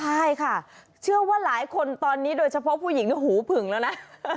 ใช่ค่ะเชื่อว่าหลายคนตอนนี้โดยเฉพาะผู้หญิงหูผึ่งแล้วนะ